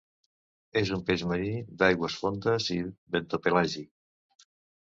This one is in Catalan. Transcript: És un peix marí, d'aigües fondes i bentopelàgic.